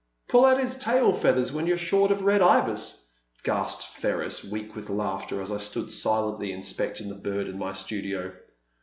85 " Pull out his tail feathers when you *re short of Red Ibis," gasped Ferris, weak with laughter, as I stood silently inspecting the bird in my studio.